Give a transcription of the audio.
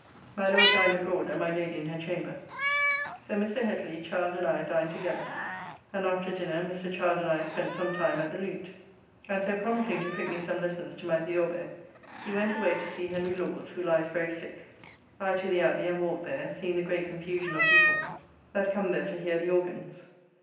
My Lord dined abroad and my Lady in her chamber, so Mr. Hetly, Child and I dined together, and after dinner Mr. Child and I spent some time at the lute, and so promising to prick me some lessons to my theorbo he went away to see Henry Laws, who lies very sick. I to the Abby and walked there, seeing the great confusion of people that come there to hear the organs.